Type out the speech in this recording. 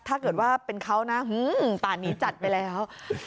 ถ้าเกิดว่าเป็นเขานะป่านนี้จัดไปแล้ว